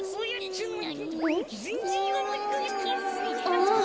あっ。